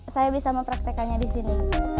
saya bisa mempraktekannya di sini